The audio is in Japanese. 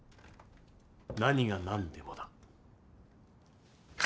何が何でもだ。